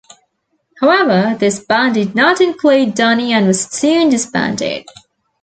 However, this band did not include Donnie and was soon disbanded.